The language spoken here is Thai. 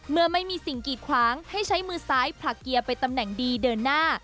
เมื่อไม่มีสิ่งกีดขวางให้ใช้มือซ้ายผลักเกียร์ไปตำแหน่งดีเดินหน้า